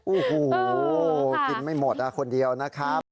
โอ้โหกินไม่หมดคนเดียวนะครับ